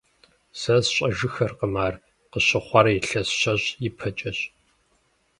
Сэ сщӀэжыххэркъым ар, къыщыхъуар илъэс щэщӀ ипэкӀэщ.